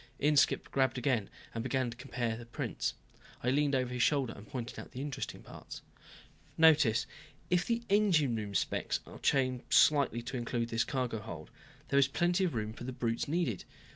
Inskipp grabbed again and began comparing the two prints. I leaned over his shoulder and pointed out the interesting parts. "Notice if the engine room specs are changed slightly to include this cargo hold, there is plenty of room for the brutes needed.